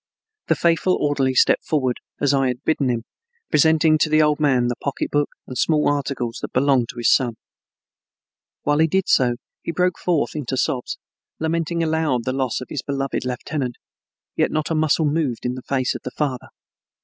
The faithful orderly stepped forward, as I had bidden him, presenting to the old man the pocketbook and small articles that belonged to his son. While he did so he broke forth into sobs, lamenting aloud the loss of his beloved lieutenant, yet not a muscle moved in the face of the father.